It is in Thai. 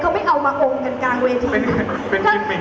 เขาไม่เอามาองค์กันกลางเวที